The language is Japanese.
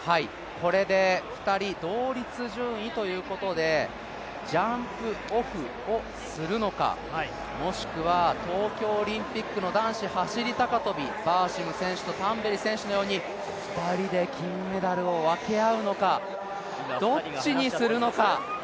これで２人、同率順位ということで、ジャンプオフをするのか、もしくは東京オリンピックの男子走高跳、バーシム選手とタンベリ選手のように、２人で金メダルを分け合うのか、どっちにするのか。